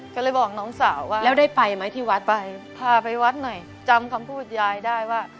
ก็เลยบอกน้องสาวว่าแล้วได้ไปไหมที่วัดไปพาไปวัดหน่อยจำคำพูดยายได้ว่า